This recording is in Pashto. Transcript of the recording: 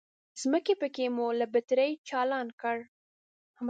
ځمکنی پکی مو له بترۍ چالان کړ.